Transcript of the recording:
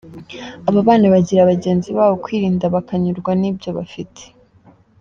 Aba bana bagira bagenzi babo kwirinda, bakanyurwa n’ibyo bafite.